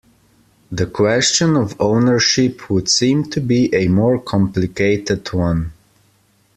The question of ownership would seem to be a more complicated one.